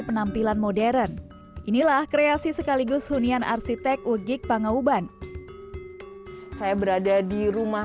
penampilan modern inilah kreasi sekaligus hunian arsitek wgik pangauban saya berada di rumah